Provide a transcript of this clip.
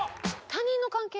「他人の関係」